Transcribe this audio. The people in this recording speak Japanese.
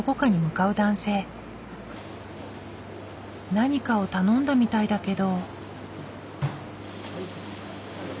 何かを頼んだみたいだけど。